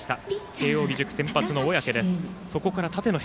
慶応義塾先発の小宅です。